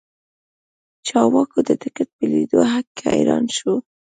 چاواوا د ټکټ په لیدو هک حیران شو.